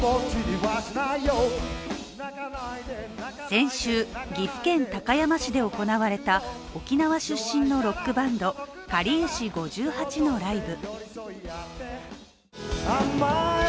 先週、岐阜県高山市で行われた沖縄出身のロックバンド、かりゆし５８のライブ。